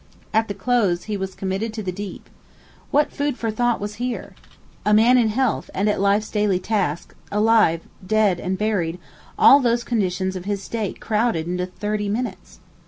At the close, he was committed to the deep. What food for thought was here! A man in health and at life's daily task, alive, dead, and buried, all these conditions of his state crowded into thirty minutes!